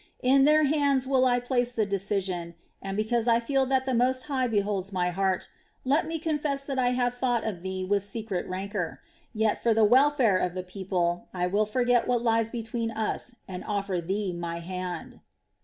In their hands will I place the decision and, because I feel that the Most High beholds my heart, let me confess that I have thought of thee with secret rancor. Yet, for the welfare of the people, I will forget what lies between us and offer thee my hand."